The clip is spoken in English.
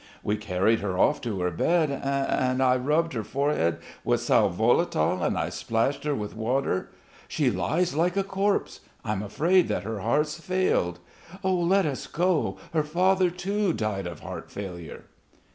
We carried her off to her bed and ... and I rubbed her forehead with sal volatile, and splashed her with water.... She lies like a corpse.... I'm afraid that her heart's failed.... Let us go.... Her father too died of heart failure."